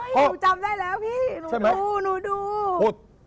เฮ้ยหนูจำได้แล้วพี่หนูดู